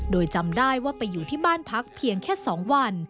โดยจำได้ว่าไปอยู่ที่บ้านพักเพียงแค่๒วัน